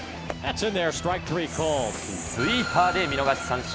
スイーパーで見逃し三振。